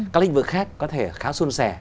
các lĩnh vực khác có thể khá xuân xẻ